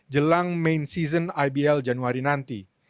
jelang main season ibl januari nanti